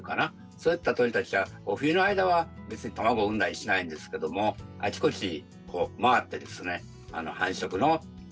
そういった鳥たちは冬の間は別に卵を産んだりしないんですけどもあちこちこう回ってですね繁殖のための巣を探します。